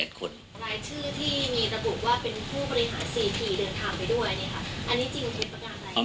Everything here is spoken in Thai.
อันนี้จริงหรือผู้ประกาศอะไร